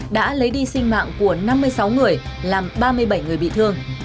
đã lấy đi sinh mạng của năm mươi sáu người làm ba mươi bảy người bị thương